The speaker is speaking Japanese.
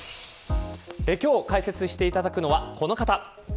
今日解説していただくのはこの方。